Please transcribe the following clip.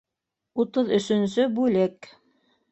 Утыҙ өсөнсө бүлек